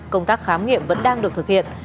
công tác khám nghiệm vẫn đang được thực hiện